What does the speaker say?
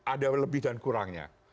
ada lebih dan kurangnya